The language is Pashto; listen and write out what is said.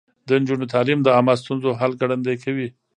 د نجونو تعليم د عامه ستونزو حل ګړندی کوي.